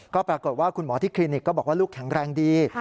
ก็ปรากฏว่าคุณหมอที่คลินิกก็บอกว่าลูกแข็งแรงดี